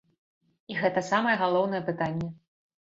І гэта самае галоўнае пытанне!